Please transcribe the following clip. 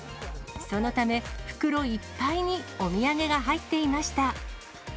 そのため、袋いっぱいにお土産が入っていました。